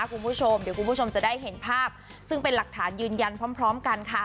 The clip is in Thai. คุณผู้ชมเดี๋ยวคุณผู้ชมจะได้เห็นภาพซึ่งเป็นหลักฐานยืนยันพร้อมกันค่ะ